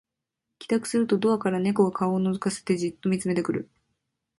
帰宅するとドアから猫が顔をのぞかせてじっと見つめてくる